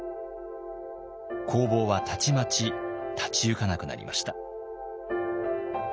工房はたちまち立ち行かなくなりました。